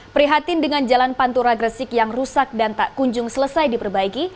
prihatin dengan jalan pantura gresik yang rusak dan tak kunjung selesai diperbaiki